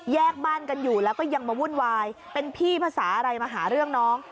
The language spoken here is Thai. บ้านกันอยู่แล้วก็ยังมาวุ่นวายเป็นพี่ภาษาอะไรมาหาเรื่องน้อง